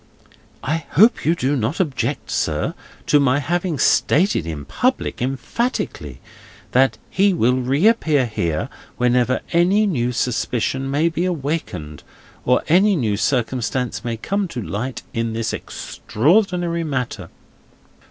"I hope you do not object, sir, to my having stated in public, emphatically, that he will reappear here, whenever any new suspicion may be awakened, or any new circumstance may come to light in this extraordinary matter?"